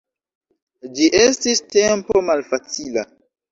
Ĝi estis tempo malfacila.